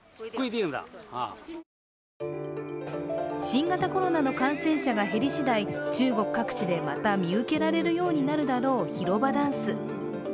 新型コロナの感染者が減りしだい、中国各地でまた見受けられるようになるだろう広場ダンス。